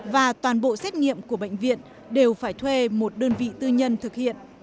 và toàn bộ xét nghiệm của bệnh viện đều phải thuê một đơn vị tư nhân thực hiện